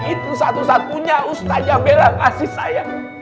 itu satu satunya ustaz jambela ngasih saya